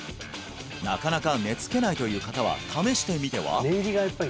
なかなか寝つけないという方は試してみては？